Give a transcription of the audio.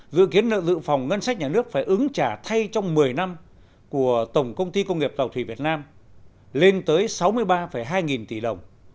dự kiến nợ dự phòng ngân sách nhà nước phải ứng trả thay trong một mươi năm của tổng công ty công nghiệp tàu thủy việt nam lên tới sáu mươi ba hai nghìn tỷ đồng